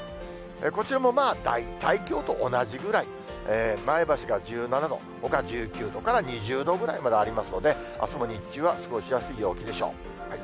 こちらもまあ、大体きょうと同じくらい、まえばしが１７度、ほか１９度から２０度ぐらいまでありますので、あすも日中は過ごしやすい陽気でしょう。